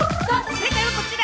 正解はこちら！